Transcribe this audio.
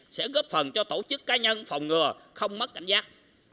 sẽ góp phần cho tổ chức cá nhân phòng ngừa không mất cảnh giác